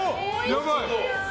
やばい。